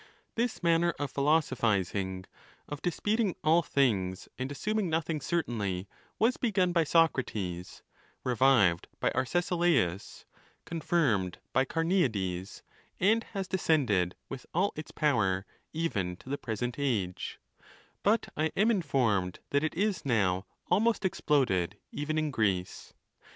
This manner of philosophizing, of disputing all things and assuming nothing certainly, was begun by Socrates, revived by Ar cesilaus, confirmed by Carueades, and has descended, with all its power, even to the present age ; but I am informed that it is now almost exploded even in Greece.